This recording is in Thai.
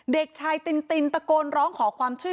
เด็กชายตินตินตะโกนร้องขอความช่วยเหลือ